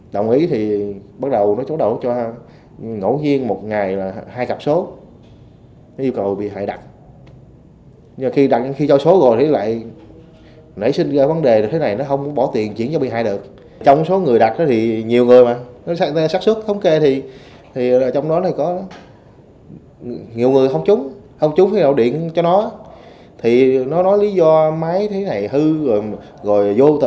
đồng ý thì bắt đầu nói chống đổ cho em ngủ riêng một ngày là hai cặp số anh yêu cầu không làm sao